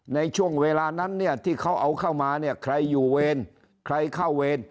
ในช่วงเวลานั้นเนี่ยที่เขาเอาเข้ามาเนี่ยใครอยู่เวรใครเข้าเวร